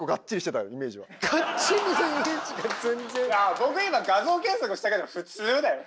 僕今画像検索したけど普通だよ。